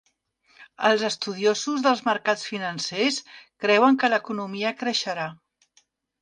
Els estudiosos dels mercats financers creuen que l'economia creixerà.